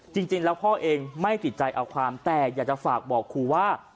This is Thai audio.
จริงแล้วพ่อเองไม่ติดใจเอาความแต่อยากจะฝากบอกครูว่า